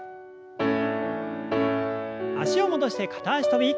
脚を戻して片脚跳び。